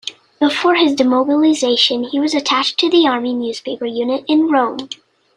Before his demobilisation he was attached to the Army Newspaper Unit in Rome.